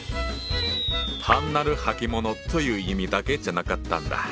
単なる履物という意味だけじゃなかったんだ。